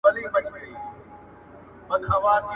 نوم چي دي پر زړه لیکم څوک خو به څه نه وايي